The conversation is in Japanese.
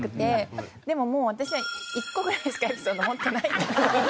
でももう私は１個ぐらいしかエピソード本当ないから。